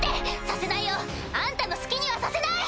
させないよあんたの好きにはさせない！